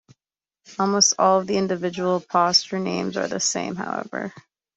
Almost all of the individual posture names are the same, however.